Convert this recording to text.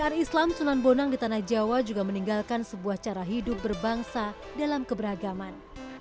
secara islam sunan bonang di tanah jawa juga meninggalkan sebuah cara hidup berbangsa dalam keberagaman